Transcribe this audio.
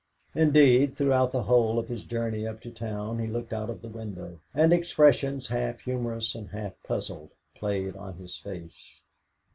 Indeed, throughout the whole of his journey up to town he looked out of the window, and expressions half humorous and half puzzled played on his face.